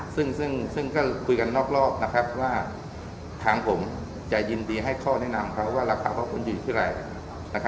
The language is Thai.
ซึ่งก็คุยกันนอกรอบว่าทางผมจะยินดีให้ข้อแนะนำเขาว่าราคาของคุณอยู่ที่อะไร